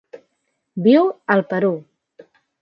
Viu al Perú.